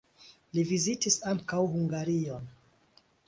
Li vizitis ankaŭ Hungarion.